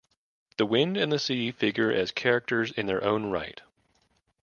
The wind and the sea figure as characters in their own right.